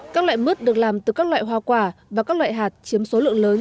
các loại mứt được làm từ các loại hoa quả và các loại hạt chiếm số lượng lớn